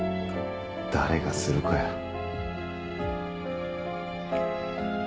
誰がするかよ。